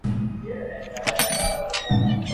د زراعت متخصصینو له بزګرانو سره لیدنه وکړه.